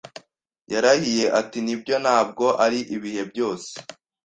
Yarahiye ati: “Nibyo, ntabwo ari ibihe byose.”